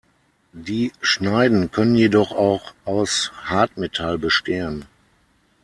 Die Schneiden können jedoch auch aus Hartmetall bestehen.